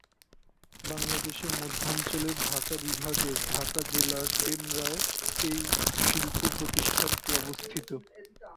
বাংলাদেশের মধ্যাঞ্চলের ঢাকা বিভাগের ঢাকা জেলার ডেমরায় এই শিল্প প্রতিষ্ঠানটি অবস্থিত।